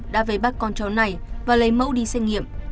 đã về bắt con chó này và lấy mẫu đi xe nghiệm